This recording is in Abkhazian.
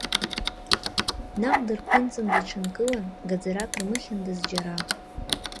Наҟ дырԥырҵында иҽынкылан, гаӡарак рмыхьындаз џьара…